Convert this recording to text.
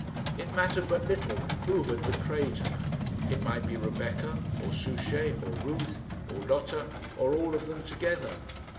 It mattered but little who had betrayed her. It might be Rebecca, or Souchey, or Ruth, or Lotta, or all of them together.